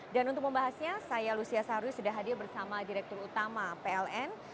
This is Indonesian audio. dan untuk membahasnya saya lucia sarwi sudah hadir bersama direktur utama pln